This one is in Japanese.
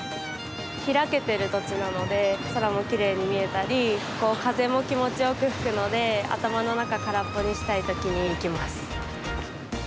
開けてる土地なので空もきれいに見えたり風も気持ちよく吹くので、頭の中空っぽにしたい時に来ます。